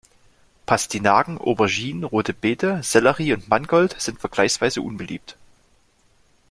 Pastinaken, Auberginen, rote Beete, Sellerie und Mangold sind vergleichsweise unbeliebt.